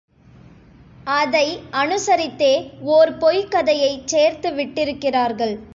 அதை அனுசரித்தே ஓர் பொய்க்கதையைச் சேர்த்துவிட்டிருக்கிறார்கள்.